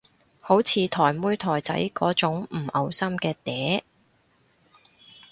好似台妹台仔嗰種唔嘔心嘅嗲